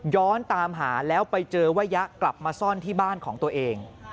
ตามหาแล้วไปเจอว่ายะกลับมาซ่อนที่บ้านของตัวเอง